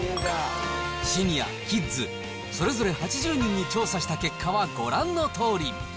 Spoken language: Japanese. シニア、キッズ、それぞれ８０人に調査した結果はご覧のとおり。